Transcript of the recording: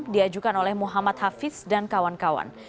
diajukan oleh muhammad hafiz dan kawan kawan